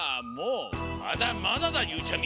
まだまだだゆうちゃみ。